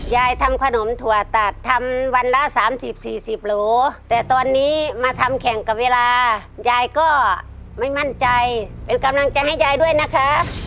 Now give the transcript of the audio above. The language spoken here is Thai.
ยายทำขนมถั่วตัดทำวันละ๓๐๔๐โหลแต่ตอนนี้มาทำแข่งกับเวลายายก็ไม่มั่นใจเป็นกำลังใจให้ยายด้วยนะครับ